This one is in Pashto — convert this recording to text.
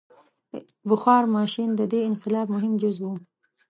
• بخار ماشین د دې انقلاب مهم جز و.